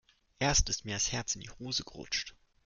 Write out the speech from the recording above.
Erst ist mir das Herz in die Hose gerutscht.